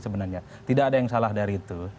sebenarnya tidak ada yang salah dari itu